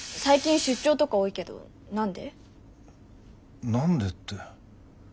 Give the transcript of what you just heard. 最近出張とか多いけど何で？何でって。